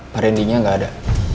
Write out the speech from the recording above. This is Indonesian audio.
pak rendinya gak ada